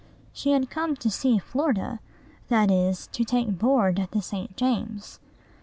She had come to see Florida; that is, to take board at the St. James.